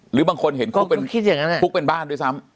หรือบางคนเห็นคุกเป็นบ้านด้วยซ้ำ